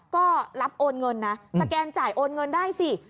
ก็รับโอนเงินนะสแกนจ่ายโอนเงินได้สิ